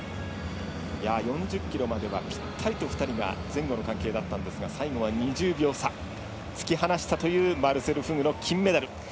４０ｋｍまではぴったりと２人が前後の関係だったんですが最後は２０秒差突き放したというマルセル・フグの金メダル。